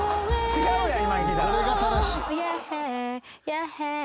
違うやん。